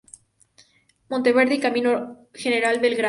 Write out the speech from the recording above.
Monteverde y Camino General Belgrano.